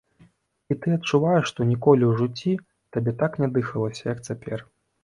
І ты адчуваеш, што ніколі ў жыцці табе так ня дыхалася, як цяпер.